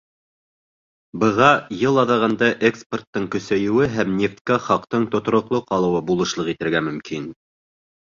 Быға йыл аҙағында экспорттың көсәйеүе һәм нефткә хаҡтың тотороҡло ҡалыуы булышлыҡ итергә мөмкин.